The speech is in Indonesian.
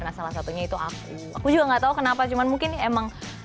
nah salah satunya itu aku aku juga gak tau kenapa cuman mungkin emang